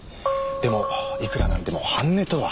でもいくらなんでも半値とは。